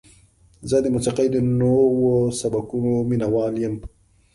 زه د موسیقۍ د نوو سبکونو مینهوال یم.